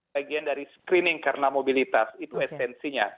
bagian dari screening karena mobilitas itu esensinya